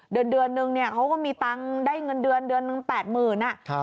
เดือนนึงเขาก็มีเงินเงินได้เงินเดือนนึง๘๐๐๐๐บาท